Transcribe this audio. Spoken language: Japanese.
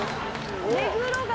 目黒川